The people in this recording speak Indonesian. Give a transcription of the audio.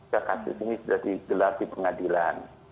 kekasih ini sudah digelar di pengadilan